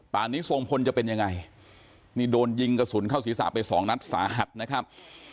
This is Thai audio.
นี้ทรงพลจะเป็นยังไงนี่โดนยิงกระสุนเข้าศีรษะไปสองนัดสาหัสนะครับ